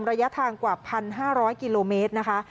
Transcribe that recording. ระยะทางกว่า๑๕๐๐กิโลเมตรนะคะ